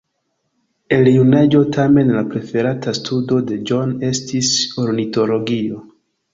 El junaĝo tamen la preferata studo de John estis ornitologio.